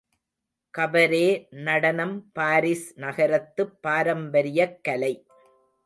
காபரே நடனம் பாரிஸ் நகரத்துப் பாரம்பரியக் கலை.